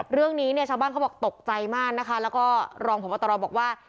เรื่องนี้เนี่ยชาวบ้านเขาบอกตกใจมากนะคะแล้วก็รองพบตรบอกว่า